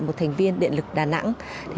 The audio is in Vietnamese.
một thành viên điện lực đà nẵng